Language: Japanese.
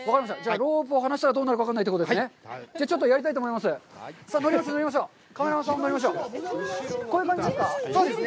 ロープを離したら、どうなるかというところですね？